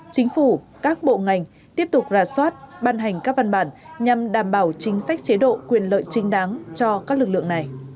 chính phủ các bộ ngành tiếp tục ra soát ban hành các văn bản nhằm đảm bảo chính sách chế độ quyền lợi trinh đáng cho các lực lượng này